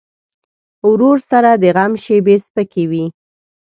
ورور سره د غم شیبې سپکې وي.